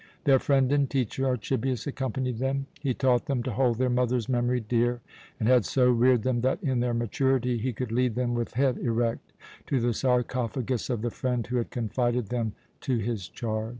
Their friend and teacher, Archibius, accompanied them. He taught them to hold their mother's memory dear, and had so reared them that, in their maturity, he could lead them with head erect to the sarcophagus of the friend who had confided them to his charge.